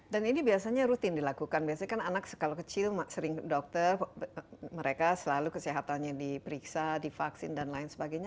dan ini biasanya rutin dilakukan biasanya kan anak kalau kecil sering dokter mereka selalu kesehatannya diperiksa divaksin dan lain sebagainya